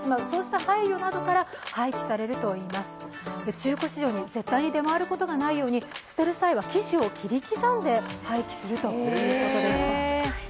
中古市場に絶対に出回ることのないように捨てる際は生地を切り刻んで廃棄するということでした。